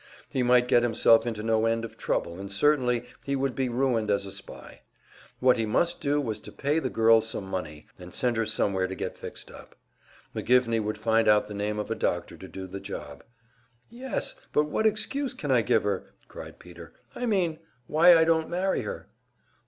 He might get himself into no end of trouble and certainly he would be ruined as a spy. What he must do was to pay the girl some money and send her somewhere to get fixed up. McGivney would find out the name of a doctor to do the job. "Yes, but what excuse can I give her?" cried Peter. "I mean, why I don't marry her!"